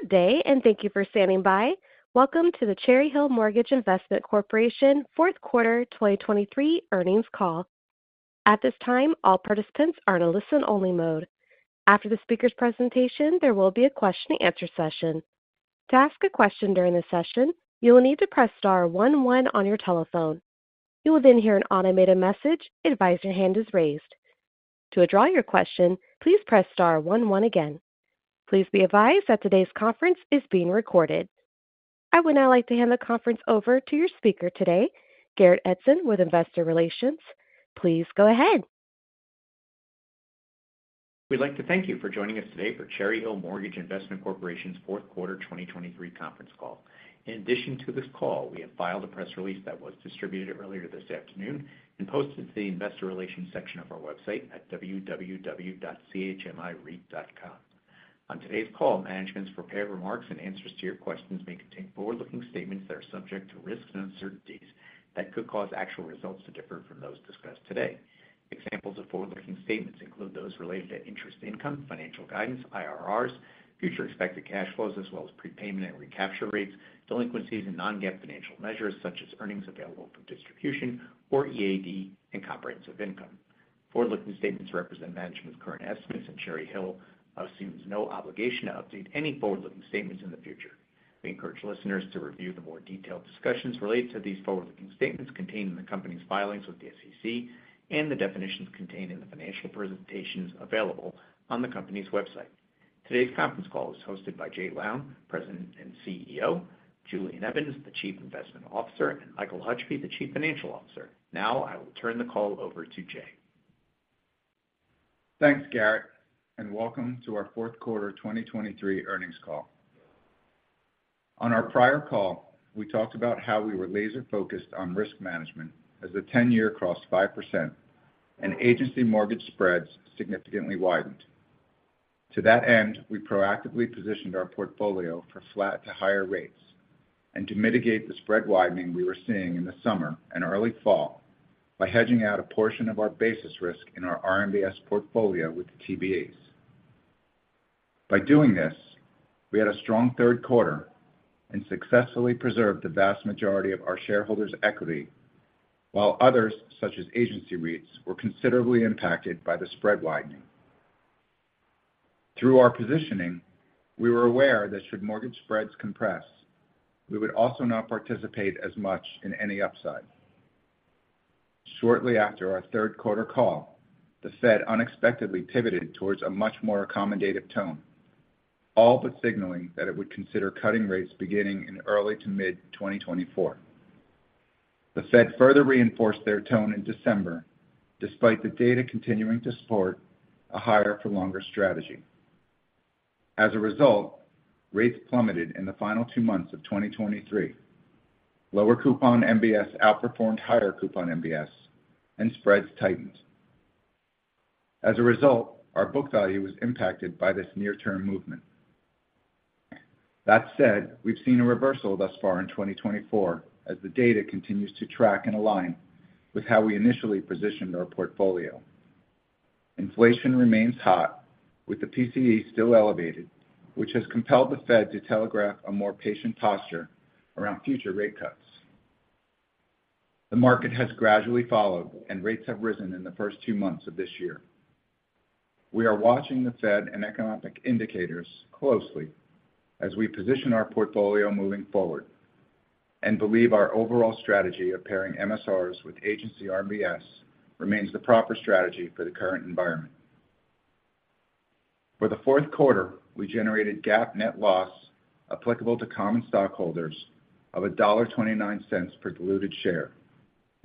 Good day and thank you for standing by. Welcome to the Cherry Hill Mortgage Investment Corporation fourth quarter 2023 earnings call. At this time, all participants are in a listen-only mode. After the speaker's presentation, there will be a question-and-answer session. To ask a question during the session, you will need to press star one one on your telephone. You will then hear an automated message advising your hand is raised. To withdraw your question, please press star one one again. Please be advised that today's conference is being recorded. I would now like to hand the conference over to your speaker today, Garrett Edson with Investor Relations. Please go ahead. We'd like to thank you for joining us today for Cherry Hill Mortgage Investment Corporation's fourth quarter 2023 conference call. In addition to this call, we have filed a press release that was distributed earlier this afternoon and posted to the Investor Relations section of our website at www.chmi.com. On today's call, management's prepared remarks and answers to your questions may contain forward-looking statements that are subject to risks and uncertainties that could cause actual results to differ from those discussed today. Examples of forward-looking statements include those related to interest income, financial guidance, IRRs, future expected cash flows, as well as prepayment and recapture rates, delinquencies, and non-GAAP financial measures such as earnings available for distribution, or EAD and comprehensive income. Forward-looking statements represent management's current estimates, and Cherry Hill assumes no obligation to update any forward-looking statements in the future. We encourage listeners to review the more detailed discussions related to these forward-looking statements contained in the company's filings with the SEC and the definitions contained in the financial presentations available on the company's website. Today's conference call is hosted by Jay Lown, President and CEO, Julian Evans, the Chief Investment Officer, and Michael Hutchby, the Chief Financial Officer. Now I will turn the call over to Jay. Thanks, Garrett, and welcome to our fourth quarter 2023 earnings call. On our prior call, we talked about how we were laser-focused on risk management as the 10-year crossed 5% and Agency mortgage spreads significantly widened. To that end, we proactively positioned our portfolio for flat to higher rates. To mitigate the spread widening we were seeing in the summer and early fall by hedging out a portion of our basis risk in our RMBS portfolio with TBAs. By doing this, we had a strong third quarter and successfully preserved the vast majority of our shareholders' equity, while others, such as Agency REITs, were considerably impacted by the spread widening. Through our positioning, we were aware that should mortgage spreads compress, we would also not participate as much in any upside. Shortly after our third quarter call, the Fed unexpectedly pivoted towards a much more accommodative tone, all but signaling that it would consider cutting rates beginning in early to mid-2024. The Fed further reinforced their tone in December despite the data continuing to support a higher-for-longer strategy. As a result, rates plummeted in the final two months of 2023. Lower coupon MBS outperformed higher coupon MBS, and spreads tightened. As a result, our book value was impacted by this near-term movement. That said, we've seen a reversal thus far in 2024 as the data continues to track and align with how we initially positioned our portfolio. Inflation remains hot, with the PCE still elevated, which has compelled the Fed to telegraph a more patient posture around future rate cuts. The market has gradually followed, and rates have risen in the first two months of this year. We are watching the Fed and economic indicators closely as we position our portfolio moving forward and believe our overall strategy of pairing MSRs with Agency RMBS remains the proper strategy for the current environment. For the fourth quarter, we generated GAAP net loss applicable to common stockholders of $1.29 per diluted share.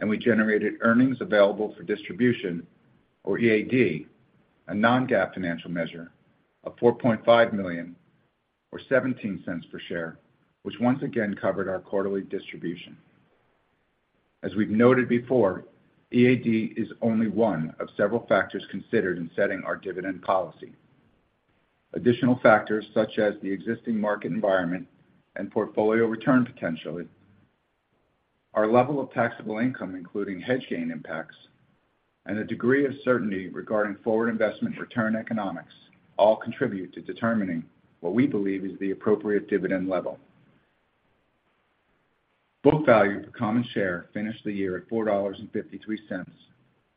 We generated earnings available for distribution, or EAD, a non-GAAP financial measure, of $4.5 million or $0.17 per share, which once again covered our quarterly distribution. As we've noted before, EAD is only one of several factors considered in setting our dividend policy. Additional factors such as the existing market environment and portfolio return potentially, our level of taxable income including hedge gain impacts, and a degree of certainty regarding forward investment return economics all contribute to determining what we believe is the appropriate dividend level. Book value per common share finished the year at $4.53,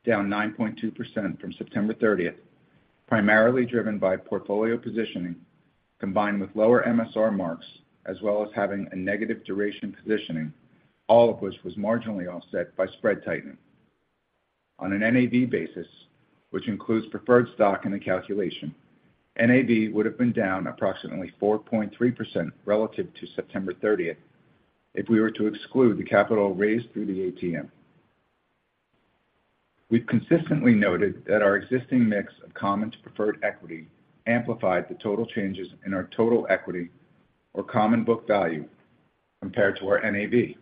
down 9.2% from September 30th, primarily driven by portfolio positioning combined with lower MSR marks as well as having a negative duration positioning, all of which was marginally offset by spread tightening. On an NAV basis, which includes preferred stock in the calculation, NAV would have been down approximately 4.3% relative to September 30th if we were to exclude the capital raised through the ATM. We've consistently noted that our existing mix of common to preferred equity amplified the total changes in our total equity or common book value compared to our NAV.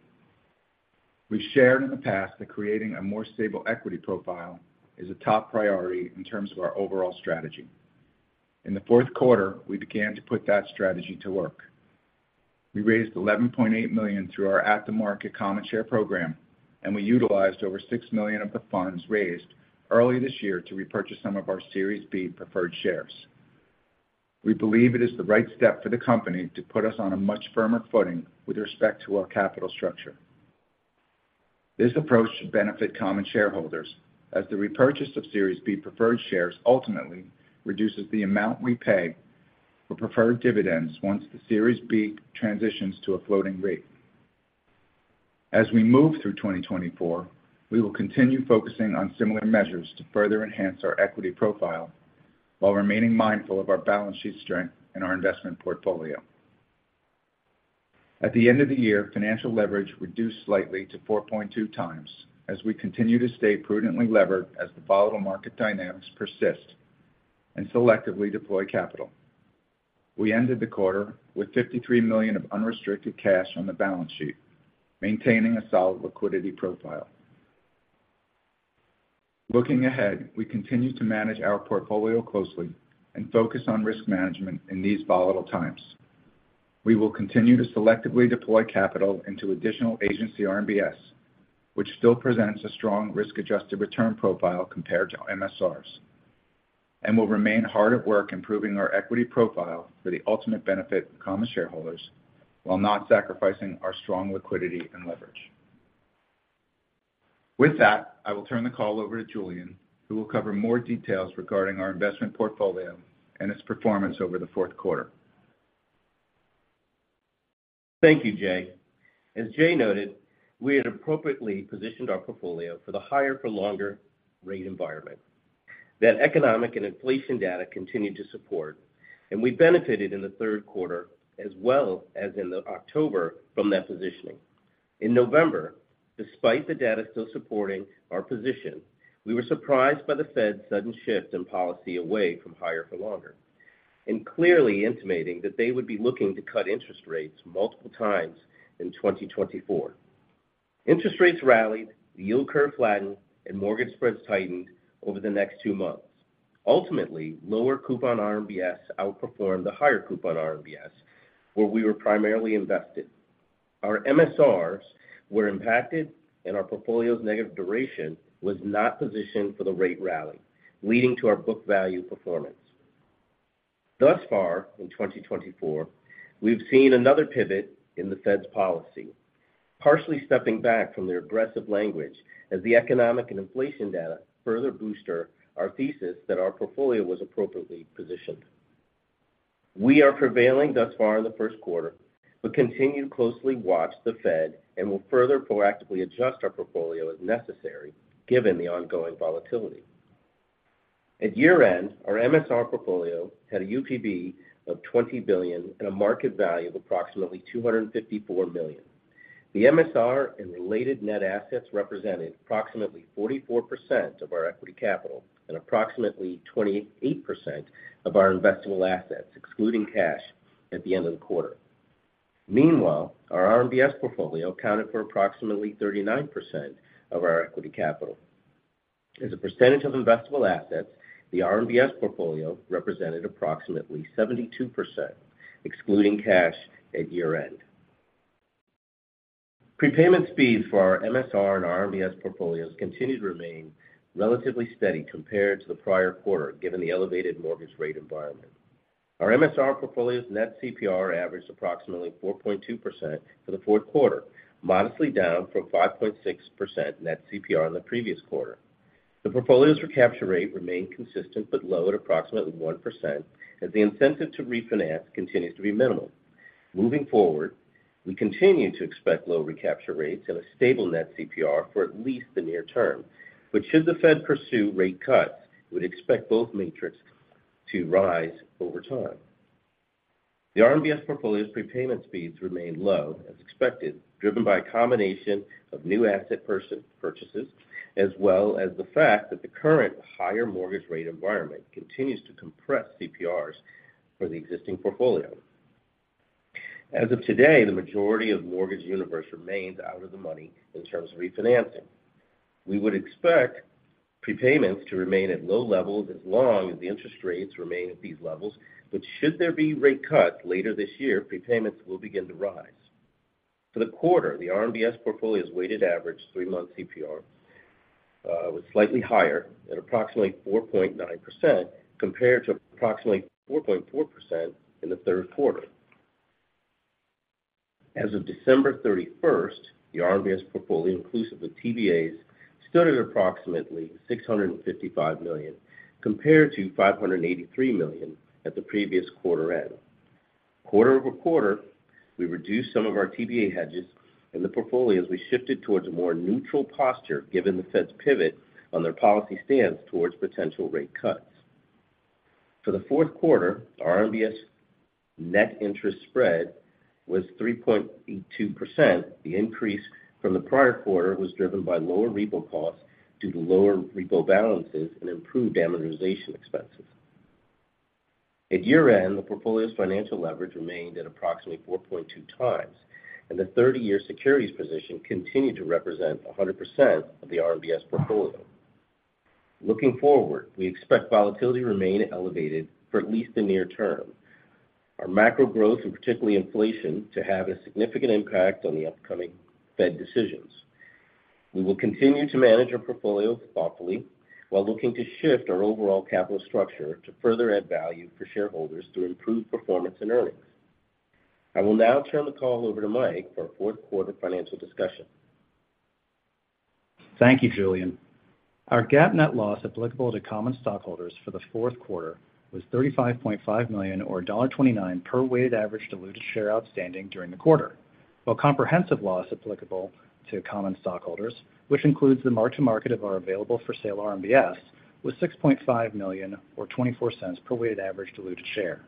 We've shared in the past that creating a more stable equity profile is a top priority in terms of our overall strategy. In the fourth quarter, we began to put that strategy to work. We raised $11.8 million through our at-the-market common share program, and we utilized over $6 million of the funds raised early this year to repurchase some of our Series B preferred shares. We believe it is the right step for the company to put us on a much firmer footing with respect to our capital structure. This approach should benefit common shareholders as the repurchase of Series B preferred shares ultimately reduces the amount we pay for preferred dividends once the Series B transitions to a floating rate. As we move through 2024, we will continue focusing on similar measures to further enhance our equity profile while remaining mindful of our balance sheet strength and our investment portfolio. At the end of the year, financial leverage reduced slightly to 4.2 times as we continue to stay prudently levered as the volatile market dynamics persist and selectively deploy capital. We ended the quarter with $53 million of unrestricted cash on the balance sheet, maintaining a solid liquidity profile. Looking ahead, we continue to manage our portfolio closely and focus on risk management in these volatile times. We will continue to selectively deploy capital into additional Agency RMBS, which still presents a strong risk-adjusted return profile compared to MSRs, and will remain hard at work improving our equity profile for the ultimate benefit of common shareholders while not sacrificing our strong liquidity and leverage. With that, I will turn the call over to Julian, who will cover more details regarding our investment portfolio and its performance over the fourth quarter. Thank you, Jay. As Jay noted, we had appropriately positioned our portfolio for the higher-for-longer rate environment that economic and inflation data continued to support, and we benefited in the third quarter as well as in October from that positioning. In November, despite the data still supporting our position, we were surprised by the Fed's sudden shift in policy away from higher-for-longer and clearly intimating that they would be looking to cut interest rates multiple times in 2024. Interest rates rallied, the yield curve flattened, and mortgage spreads tightened over the next two months. Ultimately, lower coupon RMBS outperformed the higher coupon RMBS where we were primarily invested. Our MSRs were impacted, and our portfolio's negative duration was not positioned for the rate rally, leading to our book value performance. Thus far, in 2024, we've seen another pivot in the Fed's policy, partially stepping back from their aggressive language as the economic and inflation data further bolster our thesis that our portfolio was appropriately positioned. We are prevailing thus far in the first quarter but continue to closely watch the Fed and will further proactively adjust our portfolio as necessary given the ongoing volatility. At year-end, our MSR portfolio had a UPB of $20 billion and a market value of approximately $254 million. The MSR and related net assets represented approximately 44% of our equity capital and approximately 28% of our investable assets excluding cash at the end of the quarter. Meanwhile, our RMBS portfolio accounted for approximately 39% of our equity capital. As a percentage of investable assets, the RMBS portfolio represented approximately 72% excluding cash at year-end. Prepayment speeds for our MSR and RMBS portfolios continue to remain relatively steady compared to the prior quarter given the elevated mortgage rate environment. Our MSR portfolio's net CPR averaged approximately 4.2% for the fourth quarter, modestly down from 5.6% net CPR in the previous quarter. The portfolio's recapture rate remained consistent but low at approximately 1% as the incentive to refinance continues to be minimal. Moving forward, we continue to expect low recapture rates and a stable net CPR for at least the near term, but should the Fed pursue rate cuts, we would expect both metrics to rise over time. The RMBS portfolio's prepayment speeds remain low as expected, driven by a combination of new asset purchases as well as the fact that the current higher mortgage rate environment continues to compress CPRs for the existing portfolio. As of today, the majority of mortgage universe remains out of the money in terms of refinancing. We would expect prepayments to remain at low levels as long as the interest rates remain at these levels, but should there be rate cuts later this year, prepayments will begin to rise. For the quarter, the RMBS portfolio's weighted average three-month CPR was slightly higher at approximately 4.9% compared to approximately 4.4% in the third quarter. As of December 31st, the RMBS portfolio inclusive of TBAs stood at approximately $655 million compared to $583 million at the previous quarter-end. Quarter over quarter, we reduced some of our TBA hedges, and the portfolio has shifted towards a more neutral posture given the Fed's pivot on their policy stance towards potential rate cuts. For the fourth quarter, RMBS net interest spread was 3.82%. The increase from the prior quarter was driven by lower repo costs due to lower repo balances and improved amortization expenses. At year-end, the portfolio's financial leverage remained at approximately 4.2x, and the 30-year securities position continued to represent 100% of the RMBS portfolio. Looking forward, we expect volatility to remain elevated for at least the near term, our macro growth and particularly inflation to have a significant impact on the upcoming Fed decisions. We will continue to manage our portfolio thoughtfully while looking to shift our overall capital structure to further add value for shareholders through improved performance and earnings. I will now turn the call over to Mike for our fourth quarter financial discussion. Thank you, Julian. Our GAAP net loss applicable to common stockholders for the fourth quarter was $35.5 million or $1.29 per weighted average diluted share outstanding during the quarter, while comprehensive loss applicable to common stockholders, which includes the mark-to-market of our available-for-sale RMBS, was $6.5 million or $0.24 per weighted average diluted share.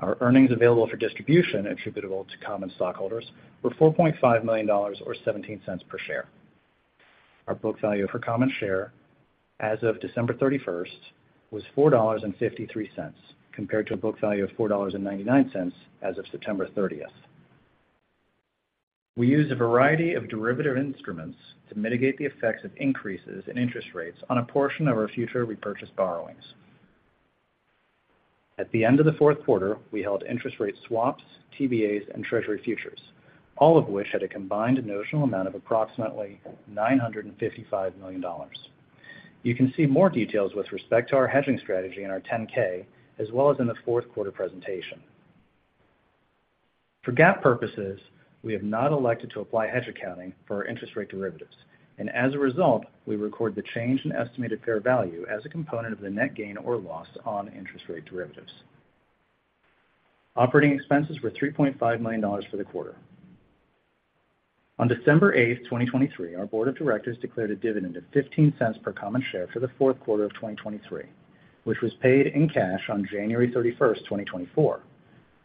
Our earnings available for distribution attributable to common stockholders were $4.5 million or $0.17 per share. Our book value for common share as of December 31st was $4.53 compared to a book value of $4.99 as of September 30th. We use a variety of derivative instruments to mitigate the effects of increases in interest rates on a portion of our future repurchase borrowings. At the end of the fourth quarter, we held interest rate swaps, TBAs, and Treasury futures, all of which had a combined notional amount of approximately $955 million. You can see more details with respect to our hedging strategy in our 10-K as well as in the fourth quarter presentation. For GAAP purposes, we have not elected to apply hedge accounting for our interest rate derivatives, and as a result, we record the change in estimated fair value as a component of the net gain or loss on interest rate derivatives. Operating expenses were $3.5 million for the quarter. On December 8th, 2023, our Board of Directors declared a dividend of $0.15 per common share for the fourth quarter of 2023, which was paid in cash on January 31st, 2024.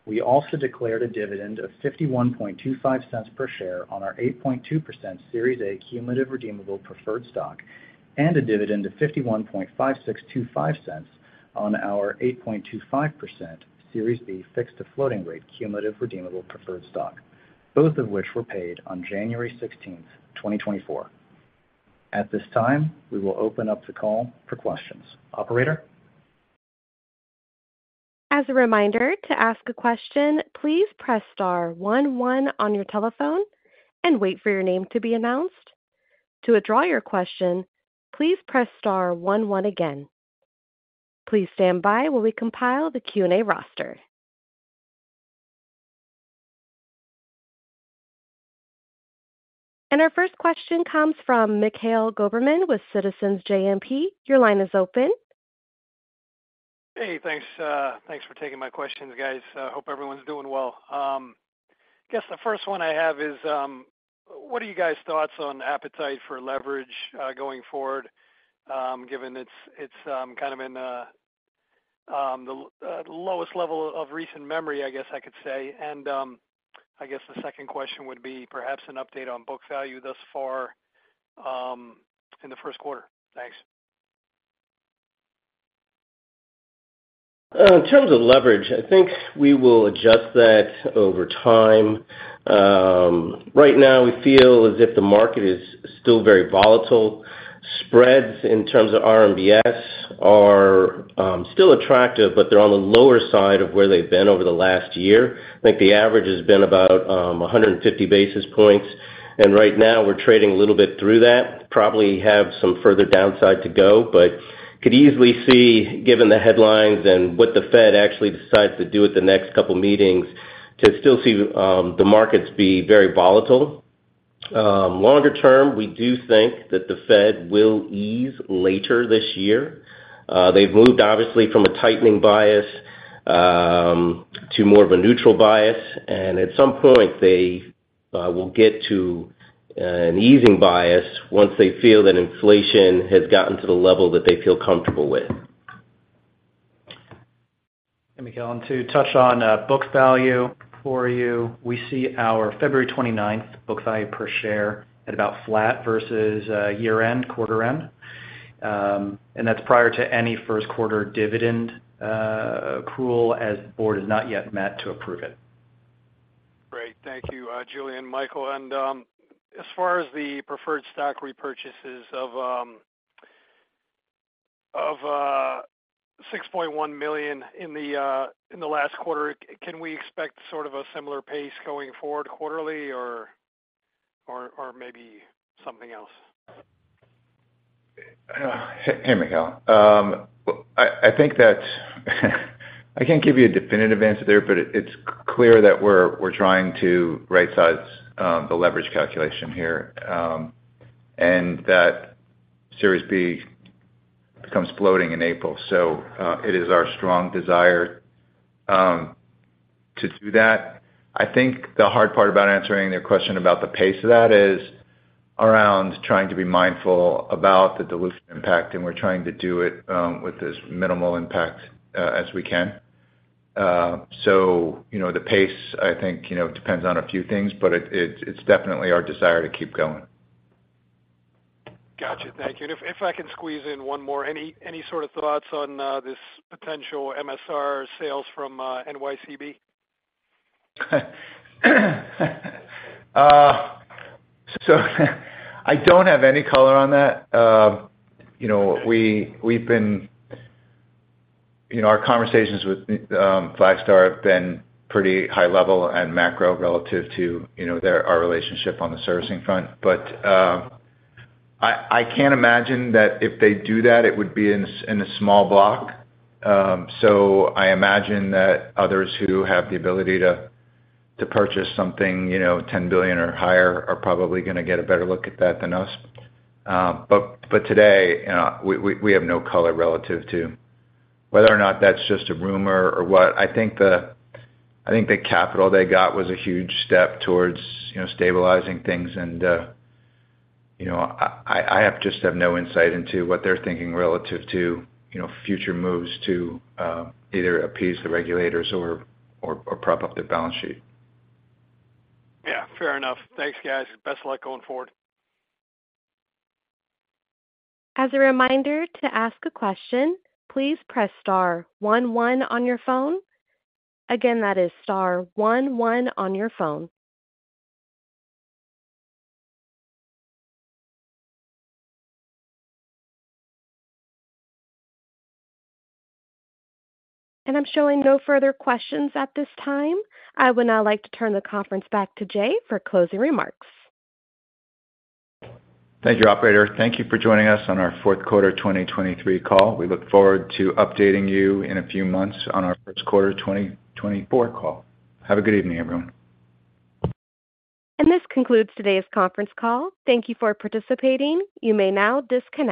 We also declared a dividend of $0.5125 per share on our 8.2% Series A cumulative redeemable preferred stock and a dividend of $0.515625 on our 8.25% Series B fixed to floating rate cumulative redeemable preferred stock, both of which were paid on January 16th, 2024. At this time, we will open up the call for questions. Operator? As a reminder, to ask a question, please press star one one on your telephone and wait for your name to be announced. To withdraw your question, please press star one one again. Please stand by while we compile the Q&A roster. Our first question comes from Mikhail Goberman with Citizens JMP. Your line is open. Hey, thanks for taking my questions, guys. Hope everyone's doing well. I guess the first one I have is, what are you guys' thoughts on appetite for leverage going forward given it's kind of in the lowest level of recent memory, I guess I could say? And I guess the second question would be perhaps an update on book value thus far in the first quarter? Thanks. In terms of leverage, I think we will adjust that over time. Right now, we feel as if the market is still very volatile. Spreads in terms of RMBS are still attractive, but they're on the lower side of where they've been over the last year. I think the average has been about 150 basis points, and right now, we're trading a little bit through that. Probably have some further downside to go, but could easily see, given the headlines and what the Fed actually decides to do at the next couple of meetings, to still see the markets be very volatile. Longer term, we do think that the Fed will ease later this year. They've moved, obviously, from a tightening bias to more of a neutral bias, and at some point, they will get to an easing bias once they feel that inflation has gotten to the level that they feel comfortable with. And Mikhail, and to touch on book value for you, we see our February 29th book value per share at about flat versus year-end, quarter-end, and that's prior to any first-quarter dividend accrual as the Board has not yet met to approve it. Great. Thank you, Julian, Michael. As far as the preferred stock repurchases of $6.1 million in the last quarter, can we expect sort of a similar pace going forward quarterly or maybe something else? Hey, Mikhail. I think that I can't give you a definitive answer there, but it's clear that we're trying to right-size the leverage calculation here and that Series B becomes floating in April, so it is our strong desire to do that. I think the hard part about answering their question about the pace of that is around trying to be mindful about the dilution impact, and we're trying to do it with as minimal impact as we can. So the pace, I think, depends on a few things, but it's definitely our desire to keep going. Gotcha. Thank you. And if I can squeeze in one more, any sort of thoughts on this potential MSR sales from NYCB? I don't have any color on that. Our conversations with Flagstar have been pretty high-level and macro relative to our relationship on the servicing front, but I can't imagine that if they do that, it would be in a small block. I imagine that others who have the ability to purchase something $10 billion or higher are probably going to get a better look at that than us. Today, we have no color relative to whether or not that's just a rumor or what. I think the capital they got was a huge step towards stabilizing things, and I just have no insight into what they're thinking relative to future moves to either appease the regulators or prop up their balance sheet. Yeah. Fair enough. Thanks, guys. Best luck going forward. As a reminder, to ask a question, please press star one one on your phone. Again, that is star one one on your phone. I'm showing no further questions at this time. I would now like to turn the conference back to Jay for closing remarks. Thank you, operator. Thank you for joining us on our fourth quarter 2023 call. We look forward to updating you in a few months on our first quarter 2024 call. Have a good evening, everyone. This concludes today's conference call. Thank you for participating. You may now disconnect.